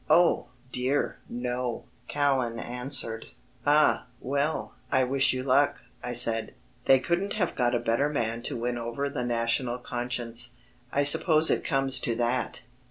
"Oh, dear, no," Callan answered. "Ah, well, I wish you luck," I said. "They couldn't have got a better man to win over the National conscience. I suppose it comes to that."